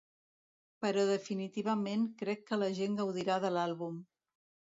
Però definitivament crec que la gent gaudirà de l'àlbum.